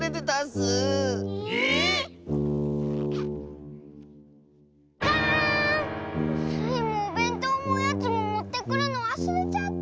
スイもおべんとうもおやつももってくるのわすれちゃった。